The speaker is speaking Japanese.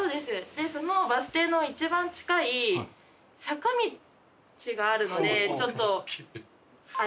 でそのバス停の一番近い坂道があるのでちょっと怪しい。